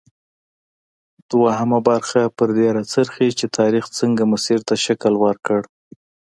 دویمه برخه پر دې راڅرخي چې تاریخ څنګه مسیر ته شکل ورکړ.